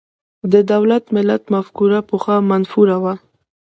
د دولت–ملت مفکوره پخوا منفوره وه.